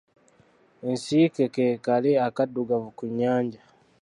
Ensiike ke kale akaddugavu ku nnyanja.